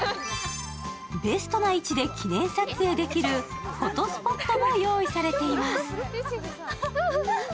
ベストな位置で記念撮影できるフォトスポットも用意されています。